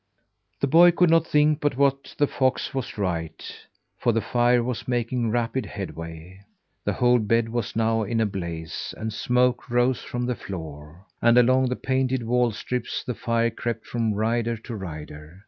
The boy could not think but what the fox was right, for the fire was making rapid headway. The whole bed was now in a blaze, and smoke rose from the floor; and along the painted wall strips the fire crept from rider to rider.